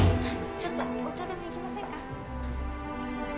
ちょっとお茶でも行きませんか？